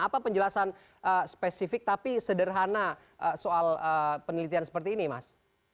apa penjelasan spesifik tapi sederhana soal penelitian seperti ini mas